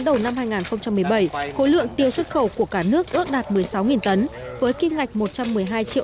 đầu năm hai nghìn một mươi bảy khối lượng tiêu xuất khẩu của cả nước ước đạt một mươi sáu tấn với kim ngạch một trăm một mươi hai triệu